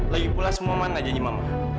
lagipula semua mana janji mama